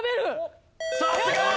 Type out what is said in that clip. さすが！